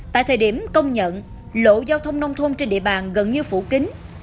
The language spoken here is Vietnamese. tại thời điểm công nhận lộ giao thông nông thôn trên địa bàn gần như phủ kính